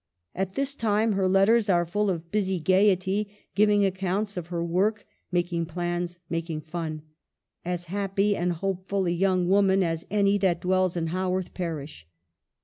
At this time her letters are full of busy gayety, giving accounts of her work, making plans, making fun. As happy and hope ful a young woman as any that dwells in Haworth parish.